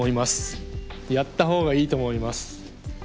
やったほうがいいと思います。